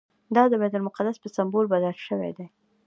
دا د بیت المقدس په سمبول بدل شوی دی.